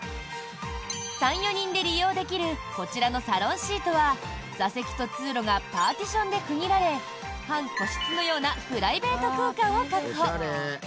３４人で利用できるこちらのサロンシートは座席と通路がパーティションで区切られ半個室のようなプライベート空間を確保。